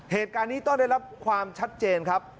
เหตุการณ์นี้ต้องได้รับความชัดเจนครับ